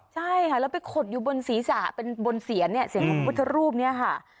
ใช่ค่ะแล้วไปขดอยู่บนศีรษะเป็นบนเสียนเนี่ยเสียงของพุทธรูปเนี่ยค่ะ